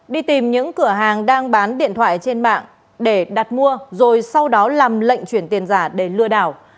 đi tìm những cửa hàng đang bán điện thoại trên mạng để đặt mua rồi sau đó làm lệnh chuyển tiền giả để lừa đảo